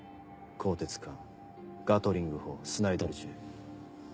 鋼鉄艦ガトリング砲スナイドル銃。